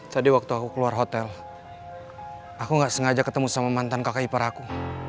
tadi waktu aku keluar hotel aku gak sengaja ketemu sama mantan kakak ipar aku